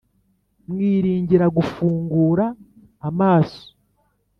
Mwingingira gufungura amso,